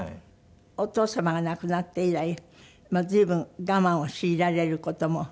お父様が亡くなって以来随分我慢を強いられる事も。